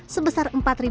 sebesar satu dolar